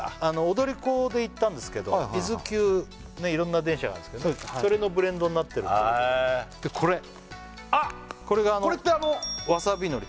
「踊り子」で行ったんですけど伊豆急いろんな電車があるんですけどねそれのブレンドになってるってことでへえでこれこれがあのわさび海苔